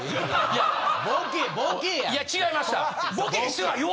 いや違いました。